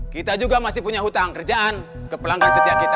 kita juga masih punya hutang kerjaan ke pelanggan setiap kita